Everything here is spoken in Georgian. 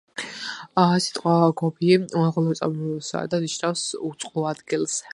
სიტყვა „გობი“ მონღოლური წარმომავლობისაა და ნიშნავს „უწყლო ადგილს“.